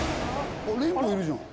レインボーいるじゃん。